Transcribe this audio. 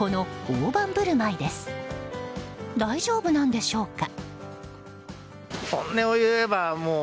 大丈夫なんでしょうか。